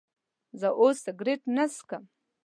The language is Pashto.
زه اوس سيګرټ نه سکم